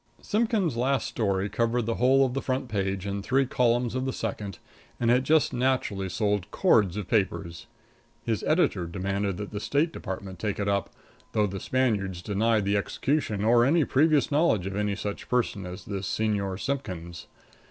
Simpkins' last story covered the whole of the front page and three columns of the second, and it just naturally sold cords of papers. His editor demanded that the State Department take it up, though the Spaniards denied the execution or any previous knowledge of any such person as this Señor Simpkins.